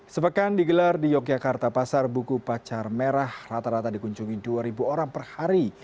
sepekan digelar di yogyakarta pasar buku pacar merah rata rata dikunjungi dua orang per hari